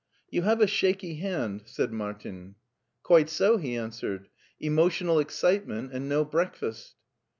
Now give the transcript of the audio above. " You have a shaky hand," said Martin. "Quite so," he answered, *' emotional excitement and no breakfast."